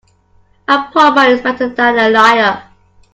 A poor man is better than a liar.